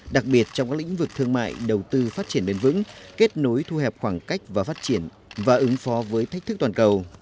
đặc biệt trong các lĩnh vực thương mại đầu tư phát triển bền vững kết nối thu hẹp khoảng cách và phát triển và ứng phó với thách thức toàn cầu